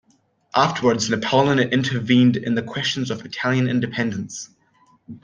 Afterwards, Napoleon intervened in the questions of Italian independence.